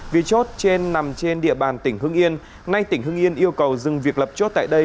vì chốt trên nằm trên địa bàn tỉnh hưng yên nay tỉnh hưng yên yêu cầu dừng việc lập chốt tại đây